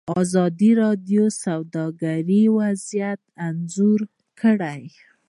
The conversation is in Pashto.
ازادي راډیو د سوداګري وضعیت انځور کړی.